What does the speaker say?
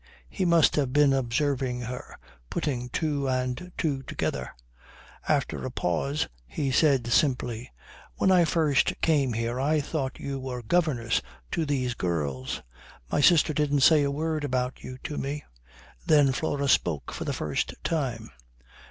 He must have been observing her, putting two and two together. After a pause he said simply: "When I first came here I thought you were governess to these girls. My sister didn't say a word about you to me." Then Flora spoke for the first time.